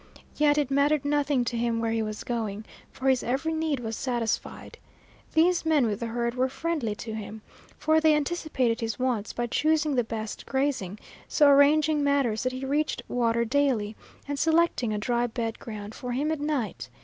Yet it mattered nothing to him where he was going, for his every need was satisfied. These men with the herd were friendly to him, for they anticipated his wants by choosing the best grazing, so arranging matters that he reached water daily, and selecting a dry bed ground for him at night.